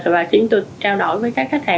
và chúng tôi trao đổi với các khách hàng